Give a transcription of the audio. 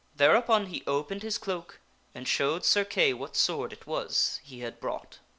Thereupon he opened his cloak and showed Sir Kay what sword it was he had brought.